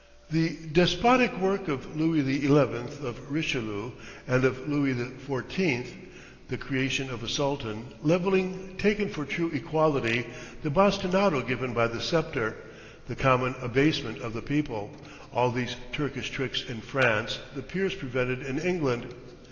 The despotic work of Louis XI., of Richelieu, and of Louis XIV., the creation of a sultan, levelling taken for true equality, the bastinado given by the sceptre, the common abasement of the people, all these Turkish tricks in France the peers prevented in England.